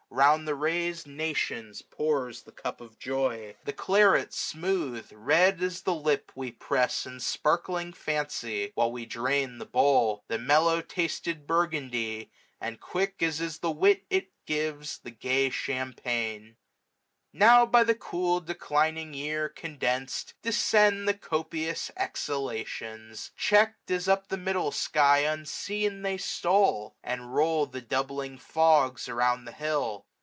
Round the rais'd nations pours the cup of joy : 700 The claret smooth, red as the lip we press In sparkling fancy, while we drain the bowl ; The mellow tasted burgundy ; and quick. As is the wit it gives, the gay champaign. Now, by the cool declining year condens'd, 705 Descend the copious exhalations ^ check'd u 2 148 AUTUMN. As up the middle sky unseen they stole ; And roll the doubling fogs around the hilt.